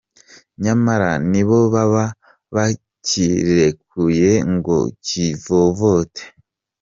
Nyamara nibo baba bakirekuye ngo cyivovote.